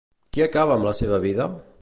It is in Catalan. Qui acaba amb la seva vida?